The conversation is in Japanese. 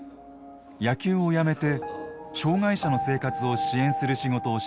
野球をやめて障害者の生活を支援する仕事をしている小南さん。